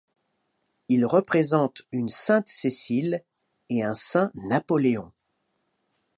Ils représentent une Sainte Cécile et un Saint Napoléon.